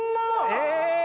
え！